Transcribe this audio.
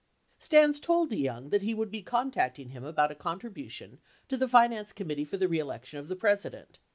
Stans told De Young that he would be contacting him about a contribution to the Finance Committee for the Re Election of the President.